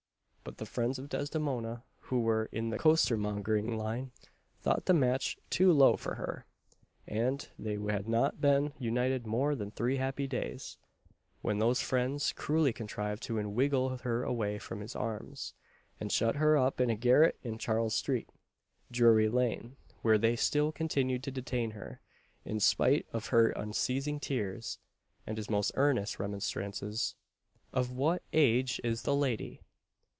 But the friends of Desdemona, who were in the costermongering line, thought the match too low for her; and they had not been united more than three happy days, when those friends cruelly contrived to inwiggle her away from his arms, and shut her up in a garret in Charles Street, Drury Lane, where they still continued to detain her, in spite of her unceasing tears, and his most earnest remonstrances. "Of what age is the lady?"